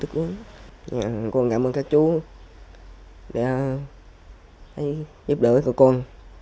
con cảm ơn các chú để giúp đỡ cho con